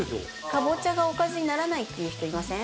カボチャがおかずにならないっていう人いません？